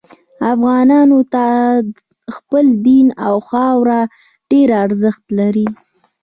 افغانانو ته خپل دین او خاوره ډیر ارزښت لري